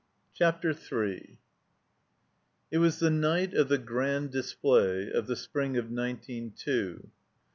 CHAPTER III IT was the night of the Grand Display of the spring of nineteen two.